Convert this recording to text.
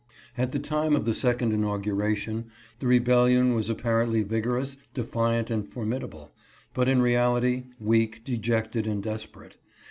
At the time of the second inauguration the rebellion was apparently vig> orous, defiant, and formidable, but in reality, weak, de jected, and desperate.